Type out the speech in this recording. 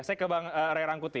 saya ke bang rerangkuti